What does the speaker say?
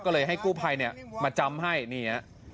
ก็เลยให้กู้ไพล์มาจำให้นี่นะ